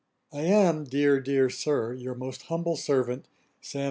I am, dear, dear Sir, your most humble servant, 'SAM.